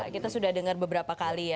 kita sudah dengar beberapa kali ya